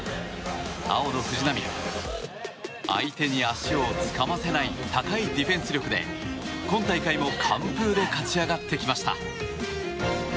青の藤波相手に足をつかませない高いディフェンス力で今大会も完封で勝ち上がってきました。